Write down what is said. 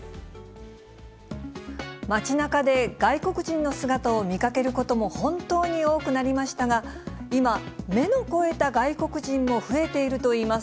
街なかで、外国人の姿を見かけることも本当に多くなりましたが、今、目の肥えた外国人も増えているといいます。